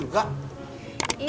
lo ngontrakan udah abis